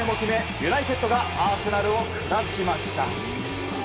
ユナイテッドがアーセナルを下しました。